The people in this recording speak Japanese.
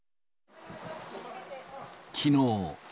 きのう。